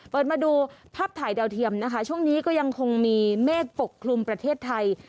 เปิดมาดูภาพถ่ายดาวเทียมนะคะช่วงนี้ก็ยังคงมีเมฆปกคลุมประเทศไทย